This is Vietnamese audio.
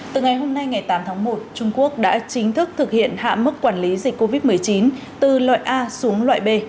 từ ngày hôm nay ngày tám tháng một trung quốc đã chính thức thực hiện hạ mức quản lý dịch covid một mươi chín từ loại a xuống loại b